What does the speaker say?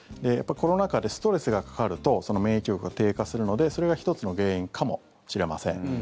コロナ禍でストレスがかかると免疫力が低下するのでそれが１つの原因かもしれません。